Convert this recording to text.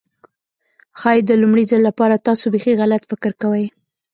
ښايي د لومړي ځل لپاره تاسو بيخي غلط فکر کوئ.